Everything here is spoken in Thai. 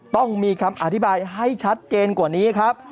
ต้องมีคำอธิบายให้ชัดเจนกว่านี้ครับ